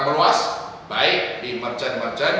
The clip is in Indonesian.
meluas baik di merchant merchant